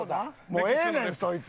もうええねんそいつ。